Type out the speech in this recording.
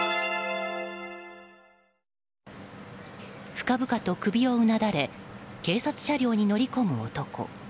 深々と首をうなだれ警察車両に乗り込む男。